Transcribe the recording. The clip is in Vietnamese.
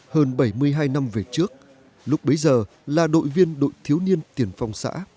hơn bảy mươi hai năm về trước lúc bấy giờ là đội viên đội thiếu niên tiền phong xã